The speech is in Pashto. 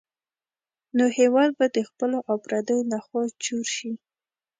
نو هېواد به د خپلو او پردیو لخوا چور شي.